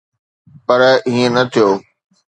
پر ائين نه ٿيو.